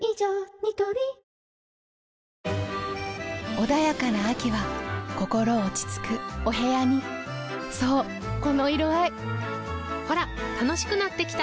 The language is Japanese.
ニトリ穏やかな秋は心落ち着くお部屋にそうこの色合いほら楽しくなってきた！